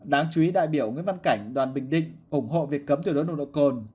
đáng chú ý đại biểu nguyễn văn cảnh đoàn bình định ủng hộ việc cấm tuyệt đối nồng độ cồn